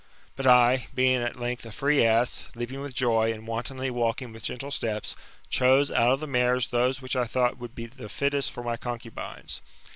But I, being at length a free ass, leaping with joy, and wantonly walking with gentle steps, chose out of the mares those which I thought would be the fittest for my concubines.